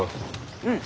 うん。